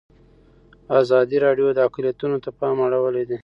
ازادي راډیو د اقلیتونه ته پام اړولی.